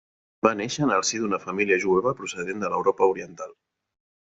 Va néixer en el si d’una família jueva procedent de l’Europa Oriental.